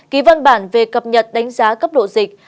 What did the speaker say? ký văn bản về cập nhật đánh giá cấp độ dịch